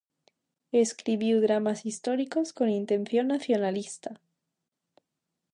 Escribiu dramas históricos con intención nacionalista.